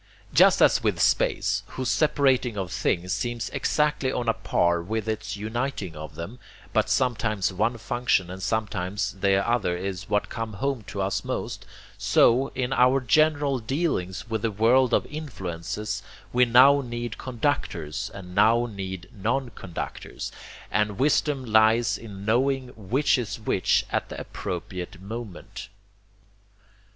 Just as with space, whose separating of things seems exactly on a par with its uniting of them, but sometimes one function and sometimes the other is what come home to us most, so, in our general dealings with the world of influences, we now need conductors and now need non conductors, and wisdom lies in knowing which is which at the appropriate moment.